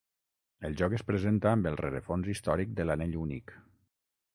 El joc es presenta amb el rerefons històric de l'Anell Únic.